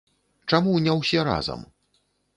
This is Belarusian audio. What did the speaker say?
Чаму не ўсе разам?